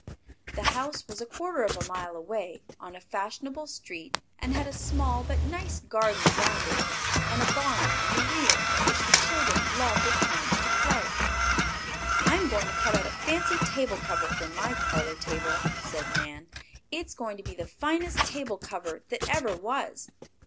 The house was a quarter of a mile away, on a fashionable street and had a small but nice garden around it, and a barn in the rear, in which the children loved at times to play. "I'm going to cut out a fancy table cover for my parlor table," said Nan. "It's going to be the finest table cover that ever was."